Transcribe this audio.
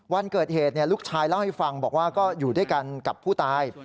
วันเกิดเหตุลูกชายเล่าให้ฟังบอกว่าก็อยู่ด้วยกันกับผู้ตาย